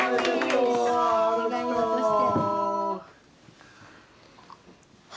お願いごとして。